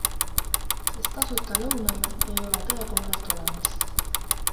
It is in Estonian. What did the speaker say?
Sest tasuta lõunaid ei ole tõepoolest olemas.